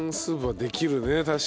できるよね。